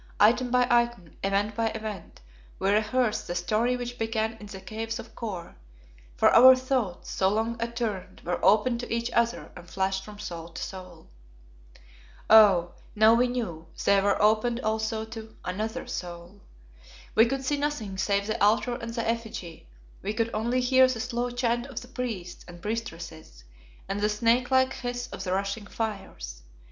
Item by item, event by event, we rehearsed the story which began in the Caves of Kôr, for our thoughts, so long attuned, were open to each other and flashed from soul to soul. Oh! now we knew, they were open also to another soul. We could see nothing save the Altar and the Effigy, we could only hear the slow chant of the priests and priestesses and the snake like hiss of the rushing fires.